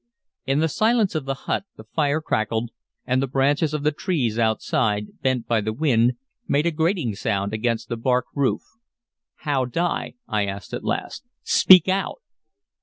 In the silence of the hut the fire crackled, and the branches of the trees outside, bent by the wind, made a grating sound against the bark roof. "How die?" I asked at last. "Speak out!"